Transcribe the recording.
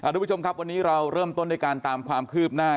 ทุกผู้ชมครับวันนี้เราเริ่มต้นด้วยการตามความคืบหน้า